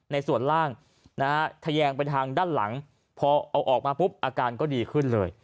ในส่วนล่างนะฮะทะแยงไปทางด้านหลังพอเอาออกมาปุ๊บอาการก็ดีขึ้นเลย